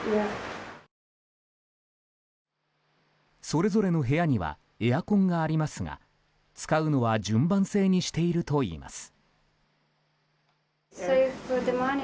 それぞれの部屋にはエアコンがありますが使うのは順番制にしているといいます。